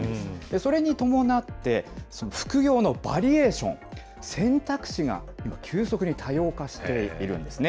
それに伴って、副業のバリエーション、選択肢が、今、急速に多様化しているんですね。